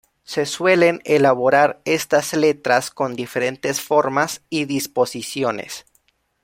Se suelen elaborar estas letras con diferentes formas y disposiciones.